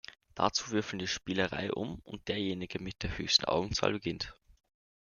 Dazu würfeln die Spieler reihum und derjenige mit der höchsten Augenzahl beginnt.